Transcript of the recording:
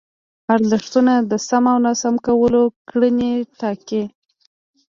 ارزښتونه د سم او ناسم کولو کړنې ټاکي.